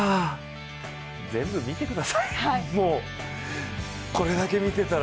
全部見てください。